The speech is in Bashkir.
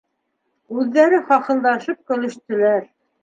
Үҙҙәре хахылдашып көлөштөләр.